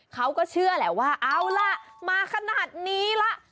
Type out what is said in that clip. เขาก็เชื่อแหละว่าเอาล่ะมาขนาดนี้ล่ะ